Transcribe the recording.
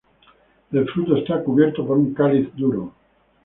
El fruto está cubierto por un cáliz duro.